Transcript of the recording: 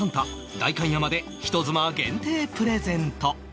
代官山で人妻限定プレゼント